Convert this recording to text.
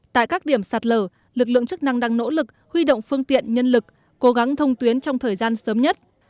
tại các điểm sạt lở lực lượng chức năng đang nỗ lực huy động phương tiện nhân lực cố gắng thông tuyến trong thời gian sớm nhất